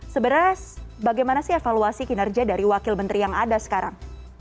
sebenarnya bagaimana sih evaluasi kinerja dari wakil menteri yang ada sekarang